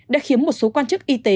đã khiếm một số quan chức y tế